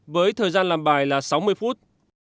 với thời gian làm bài là sáu mươi phút